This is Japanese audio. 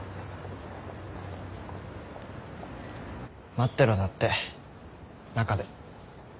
待ってろだって中で。